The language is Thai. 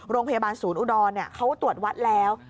โรงพยาบาลศูนย์อุดรเขาตรวจวัดแล้ว